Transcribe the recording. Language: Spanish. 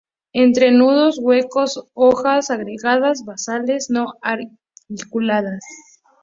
Entrenudos huecos, hojas no agregadas basales; no auriculadas.